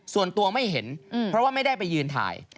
ส่วนตัวไม่เห็นเพราะว่าไม่ได้ไปยืนถ่าย